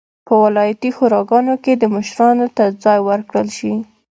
په ولایتي شوراګانو کې مشرانو ته ځای ورکړل شي.